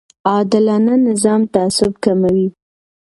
عادلانه نظام تعصب کموي